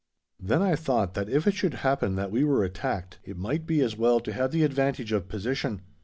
Then I thought that if it should happen that we were attacked, it might be as well to have the advantage of position.